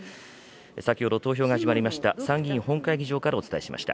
先ほど投票が始まりました参議院本会議場からお伝えしました。